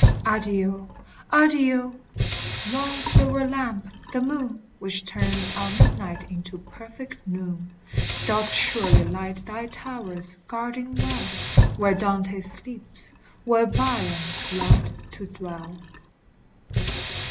Adieu ! Adieu ! yon silver lamp, the moon, Which turns our midnight into perfect noon, Doth surely light thy towers, guarding well Where Dante sleeps, where Byron loved to dwell.